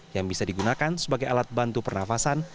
yang bisa digunakan sebagai alat bantu pernafasan